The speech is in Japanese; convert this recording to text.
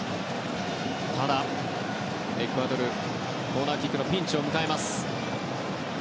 ただエクアドルコーナーキックのピンチを迎えます。